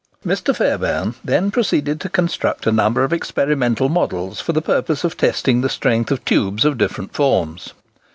{329a} Mr. Fairbairn then proceeded to construct a number of experimental models for the purpose of testing the strength of tubes of different forms.